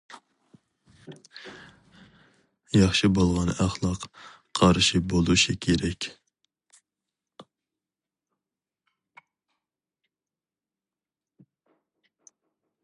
ياخشى بولغان ئەخلاق قارشى بولۇشى كېرەك.